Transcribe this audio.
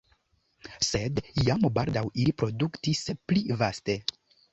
Sed jam baldaŭ ili produktis pli vaste.